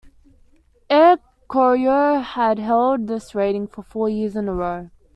Air Koryo had held this rating for four years in a row.